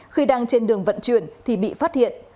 khi đang trên đường vận chuyển thì bị phát hiện